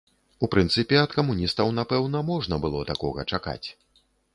У прынцыпе, ад камуністаў, напэўна, можна было такога чакаць.